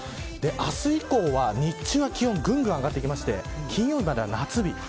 明日以降は、日中は気温ぐんぐん上がってきて金曜日までは夏日。